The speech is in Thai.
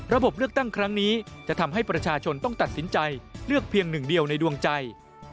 เลือกตั้งครั้งนี้จะทำให้ประชาชนต้องตัดสินใจเลือกเพียงหนึ่งเดียวในดวงใจ